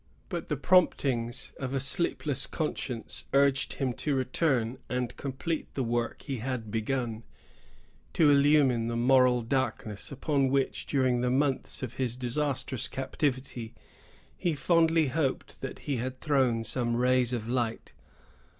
But the promptings of a sleepless conscience urged him to return and complete the work he had begun; to illumine the moral darkness upon which, during the months of his disastrous captivity, he fondly hoped that he had thrown some rays of light.